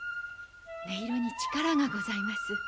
音色に力がございます。